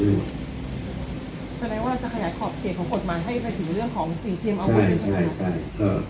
สำหรับว่าจะขยัดขอบเกตของกฎหมายให้ไปถึงเรื่องของสีเคียงอาวุธ